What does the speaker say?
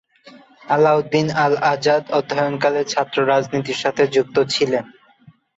আলাউদ্দিন আল আজাদ অধ্যয়নকালে ছাত্র রাজনীতির সঙ্গে যুক্ত ছিলেন।